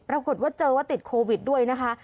ปรากฏว่าเจอว่าติดโควิดด้วยนะคะ